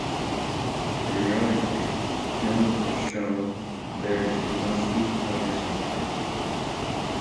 Periodically films are shown and there is a monthly produce market.